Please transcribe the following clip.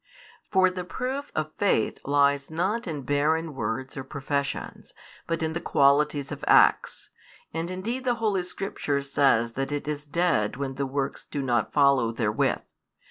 For the proof of faith lies not in barren words or professions, but in the qualities of acts, and indeed the Holy Scripture says that it is dead when the works do not follow therewith.